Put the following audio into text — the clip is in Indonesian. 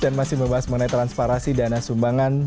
dan masih membahas mengenai transparasi dana sumbangan